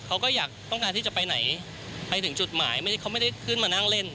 เขาก็อยากต้องการที่จะไปไหนไปถึงจุดหมายเขาไม่ได้ขึ้นมานั่งเล่น